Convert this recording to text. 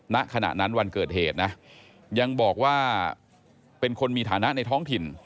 ณขณะนั้นวันเกิดเหตุนะยังบอกว่าเป็นคนมีฐานะในท้องถิ่น